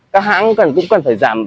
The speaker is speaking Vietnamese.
các hãng cũng cần phải giảm